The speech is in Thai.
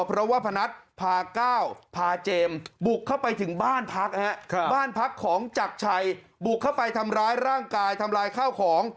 เพราะว่าพนัทพาก้าวพาเจมส์บุกเข้าไปถึงบ้านพักบ้านพักของจักรชัยบุกเข้าไปทำร้ายร่างกายทำลายข้าวของ